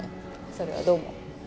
それはどうも。